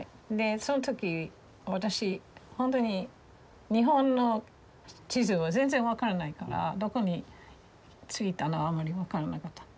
その時私本当に日本の地図は全然分からないからどこに着いたのあんまり分からなかった。